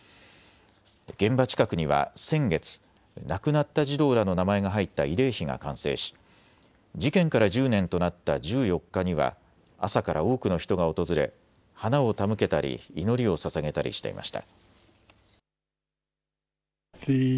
現場近くには先月、亡くなった児童らの名前が入った慰霊碑が完成し事件から１０年となった１４日には朝から多くの人が訪れ花を手向けたり、祈りをささげたりしていました。